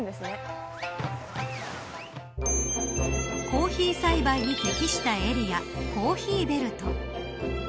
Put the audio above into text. コーヒー栽培に適したエリアコーヒーベルト。